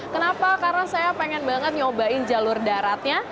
kenapa karena saya pengen banget nyobain jalur daratnya